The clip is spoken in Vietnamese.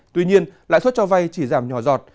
tuy nhiên lãi suất cho vay chỉ giảm nhỏ giọt